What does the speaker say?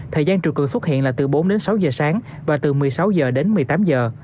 thời gian triều cường xuất hiện là từ bốn đến sáu giờ sáng và từ một mươi sáu giờ đến một mươi tám giờ